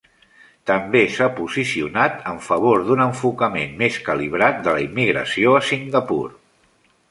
També s'ha posicionat en favor d'un enfocament més calibrat de la immigració a Singapur.